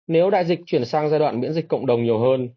nếu đại dịch chuyển sang giai đoạn miễn dịch cộng đồng nhiều hơn